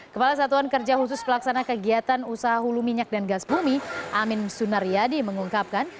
kepala satuan kerja khusus pelaksana kegiatan usaha hulu minyak dan gas bumi amin sunaryadi mengungkapkan